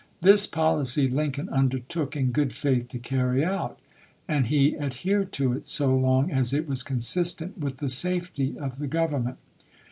This policy Lin coln undertook in good faith to carry out, and he adhered to it so long as it was consistent with the safety of the Government.